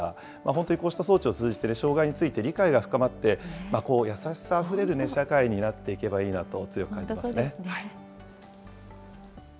本当にこうした装置を通じて、障害について理解が深まって、優しさあふれる社会になっていけばいいなと強く感じますね。